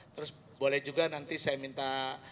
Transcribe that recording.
terus boleh juga nanti saya minta